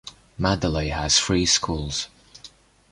Madeley has three schools.